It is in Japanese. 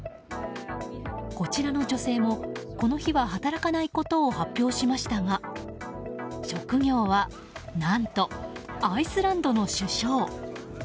こちらの女性もこの日は働かないことを発表しましたが職業は、何とアイスランドの首相。